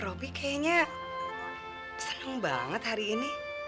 robby kayaknya seneng banget hari ini